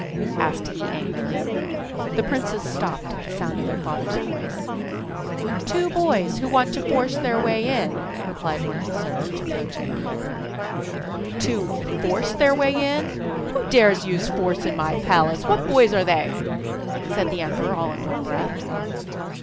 asked he angrily. The princes stopped at the sound of their father's voice. 'Two boys who want to force their way in,' replied one of the servants, approaching the emperor. 'To FORCE their way in? Who dares to use force in my palace? What boys are they?' said the emperor all in one breath.